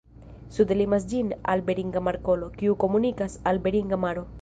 Sude limas ĝin la Beringa Markolo, kiu komunikas al Beringa maro.